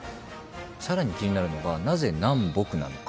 さらに気になるのがなぜ「南北」なのか。